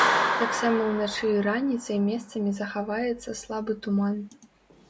Таксама ўначы і раніцай месцамі захаваецца слабы туман.